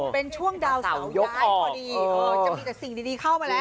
เป็นช่วงดาวเสาย้ายพอดีจะมีแต่สิ่งดีเข้ามาแล้ว